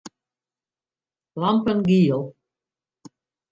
Lampen giel.